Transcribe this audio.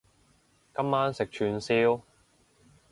今晚食串燒